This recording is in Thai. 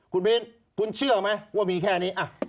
คุณมิ้นคุณเชื่อไหมว่ามีแค่นี้